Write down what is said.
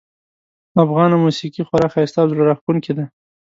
افغانه موسیقي خورا ښایسته او زړه راښکونکې ده